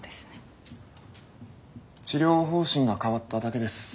治療方針が変わっただけです。